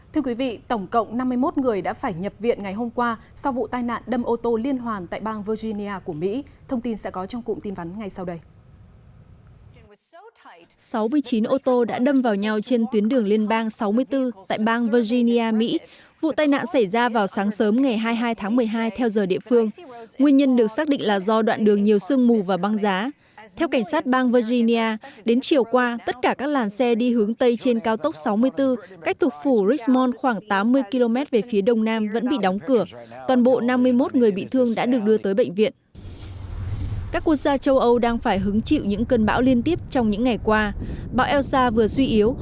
thưa quý vị tổng cộng năm mươi một người đã phải nhập viện ngày hôm qua sau vụ tai nạn đâm ô tô liên hoàn tại bang virginia của mỹ thông tin sẽ có trong cụm tin vắn ngay sau đây